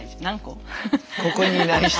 ここにいない人でも。